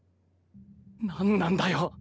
何なんだよ！